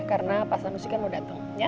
karena pasta musika mau dateng